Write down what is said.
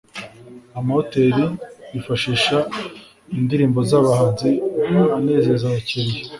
amahoteli yifashisha indirimbo z’abahanzi anezeza abakiliya